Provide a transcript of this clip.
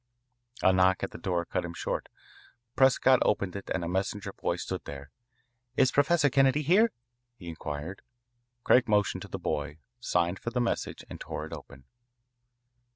A knock at the door cut him short. Prescott opened it, and a messenger boy stood there. "Is Professor Kennedy here?" he inquired. Craig motioned to the boy, signed for the message, and tore it open.